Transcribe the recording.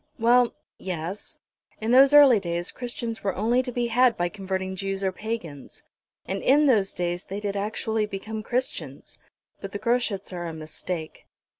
"Well yes; in those early days Christians were only to be had by converting Jews or Pagans; and in those days they did actually become Christians. But the Groschuts are a mistake."